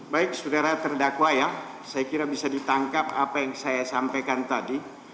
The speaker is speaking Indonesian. baik saudara terdakwa ya saya kira bisa ditangkap apa yang saya sampaikan tadi